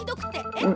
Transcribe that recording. えっ？